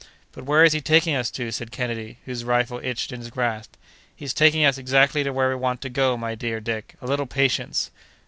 "But where is he taking us to?" said Kennedy, whose rifle itched in his grasp. "He's taking us exactly to where we want to go, my dear Dick. A little patience!"